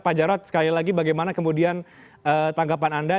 pak jarod sekali lagi bagaimana kemudian tanggapan anda